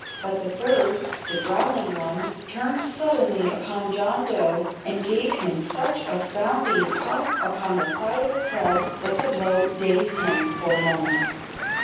But the third the growling one turned suddenly upon John Dough and gave him such a sounding cuff upon the side of his head that the blow dazed him for a moment.